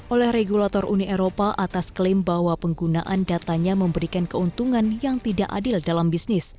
oleh regulator uni eropa atas klaim bahwa penggunaan datanya memberikan keuntungan yang tidak adil dalam bisnis